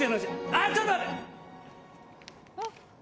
あっちょっと待って！